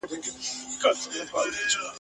چا توري، چا قلمونه او چا دواړه چلولي دي ..